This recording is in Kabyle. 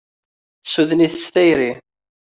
Tessuden-it s tayri.